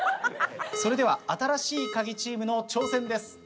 それでは新しいカギチームの挑戦です。